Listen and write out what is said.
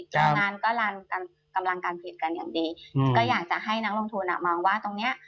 ตอนนั้นก็กำลังการผิดกันอย่างดีก็อยากจะให้นักลงทุนมองว่าตรงนี้